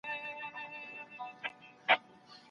مستري صیب، په اوږه باندي ګڼ توکي راوړه.